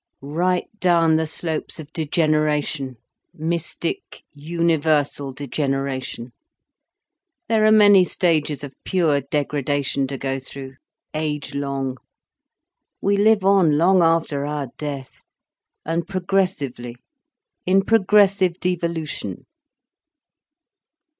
"Right down the slopes of degeneration—mystic, universal degeneration. There are many stages of pure degradation to go through: agelong. We live on long after our death, and progressively, in progressive devolution."